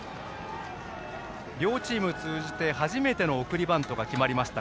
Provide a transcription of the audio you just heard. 両チームを通じて初めての送りバントが決まりました